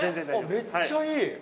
めっちゃいい！